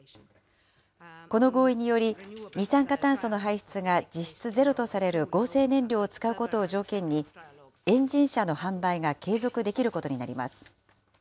この合意により、二酸化炭素の排出が実質ゼロとされる合成燃料を使うことを条件に、エンジン車の販売が継続できることになります。